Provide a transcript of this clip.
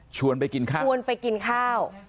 ไปกินข้าวชวนไปกินข้าว